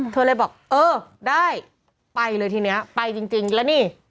เธอเลยบอกเออได้ไปเลยทีนี้ไปจริงแล้วนี่